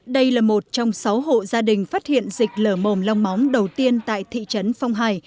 đây là một trong sáu hộ gia đình phát hiện dịch lở mồm long móng đầu tiên tại thị trấn phong hải